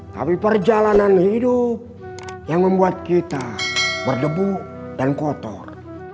tapi perjalanan hidup yang membuat kita berdebu dan kotor